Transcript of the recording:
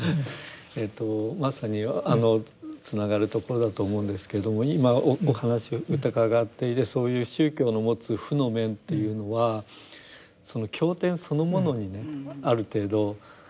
えっとまさにつながるところだと思うんですけど今お話を伺っていてそういう宗教の持つ負の面というのはその経典そのものにねある程度こうルーツがある。